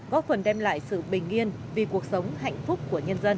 góp phần đem lại sự bình yên vì cuộc sống hạnh phúc của nhân dân